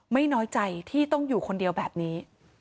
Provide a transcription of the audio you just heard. น้อยใจที่ต้องอยู่คนเดียวแบบนี้